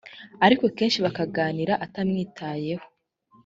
ariko kenshi bakaganira atamwitayeho